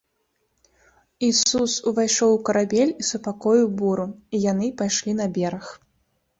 Ісус увайшоў у карабель і супакоіў буру, і яны пайшлі на бераг.